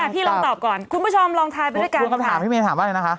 พี่ลองตอบก่อนคุณผู้ชมลองทายไปด้วยกันค่ะ